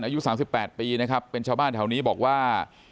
อายุสามสิบแปดปีนะครับเป็นชาวบ้านแถวนี้บอกว่า